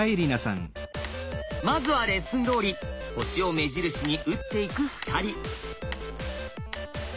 まずはレッスンどおり星を目印に打っていく２人。